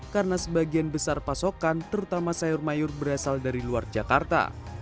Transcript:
karena sebagian besar pasokan terutama sayur mayur berasal dari luar jakarta